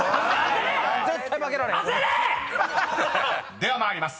［では参ります。